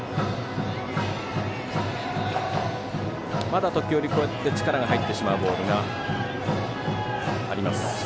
まだ時折力が入ってしまうボールがあります。